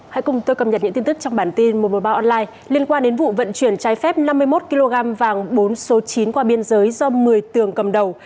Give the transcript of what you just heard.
hãy cùng tôi cập nhật những tin tức trong bản tin một trăm một mươi ba online liên quan đến vụ vận chuyển trái phép năm mươi một kg vàng bốn số chín qua biên giới do một mươi tường cầm đầu